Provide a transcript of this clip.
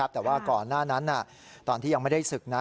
แต่ว่าก่อนหน้านั้นตอนที่ยังไม่ได้ศึกนะ